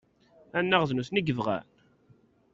Anaɣ d nutni i yebɣan?